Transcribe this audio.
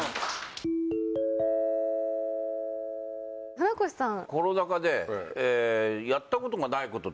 船越さん。